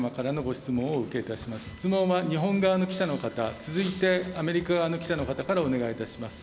質問は日本側の記者の方、続いて、アメリカ側の記者の方からお願いいたします。